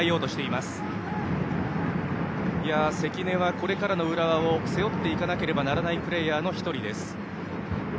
関根はこれからの浦和を背負っていかなければならないプレーヤーの１人です。